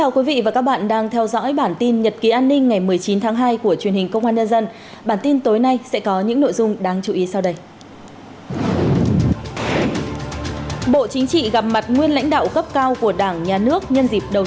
hãy đăng ký kênh để ủng hộ kênh của chúng mình nhé